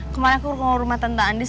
kemarin aku ke rumah tentang andis